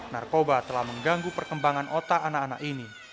narkoba telah mengganggu perkembangan otak anak anak ini